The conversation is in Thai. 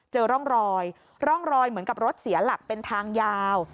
เจอร่องรอยร่องรอยเหมือนกับรถเสียหลักเป็นทางยาว